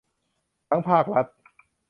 ทั้งภาครัฐ